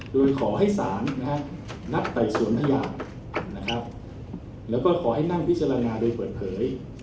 โดยขอให้สารนะครับนับไปสวมพญานะครับแล้วก็ขอให้นั่งพิจารณาโดยเปิดเผย